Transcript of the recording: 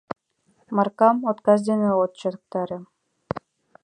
Маркам «отказ» дене от чактаре.